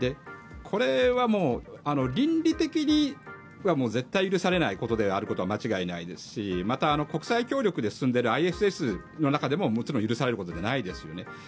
これは倫理的には絶対許されないことであることは間違いないですしまた、国際協力で進んでいるＩＳＳの中でももちろん許されることではないですよね。